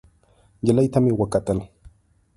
نجلۍ ته مې وکتل.